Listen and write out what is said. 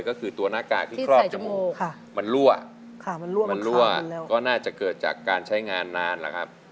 ก็คือตัวหน้ากากที่ครอบจมูกมันรั่วมันรั่วก็น่าจะเกิดจากการใช้งานนานแล้วครับ